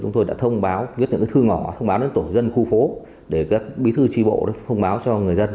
chúng tôi đã thông báo viết những thư ngỏ thông báo đến tổ chức dân khu phố để các bí thư tri bộ phông báo cho người dân